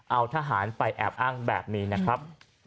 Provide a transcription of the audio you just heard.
เอาทหารไปแอบอ้างแบบนี้นะครับ